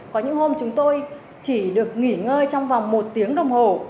có những hôm chúng tôi chỉ được nghỉ ngơi trong vòng một tiếng đồng hồ